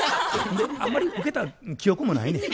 あんまりウケた記憶もないねん。